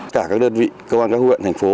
cả các đơn vị cơ quan các huyện thành phố